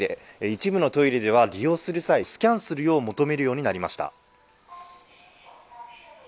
一部のトイレでは利用する際、スキャンするよう求めるようになりました。